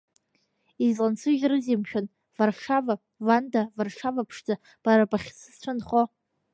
Излансыжьрызеи, мшәан, Варшава, Ванда, Варшава ԥшӡа, бара бахьысцәынхо?!